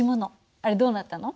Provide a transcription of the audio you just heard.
あれどうなったの？